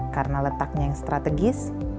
karena letaknya yang strategis